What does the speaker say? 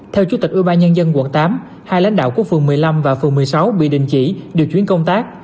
theo chủ tịch ủy ba nhân dân quận tám hai lãnh đạo của phường một mươi năm và phường một mươi sáu bị đình chỉ điều chuyển công tác